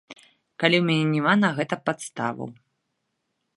Калі ў мяне няма на гэта падставаў.